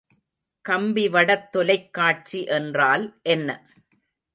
கம்பிவடத் தொலைக்காட்சி என்றால் என்ன?